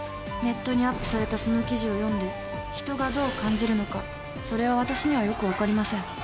ネットにアップされたその記事を読んで人がどう感じるのかそれは私にはよく分かりません。